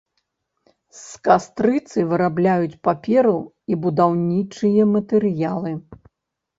З кастрыцы вырабляюць паперу і будаўнічыя матэрыялы.